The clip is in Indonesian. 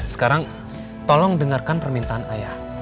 sekarang tolong dengarkan permintaan ayah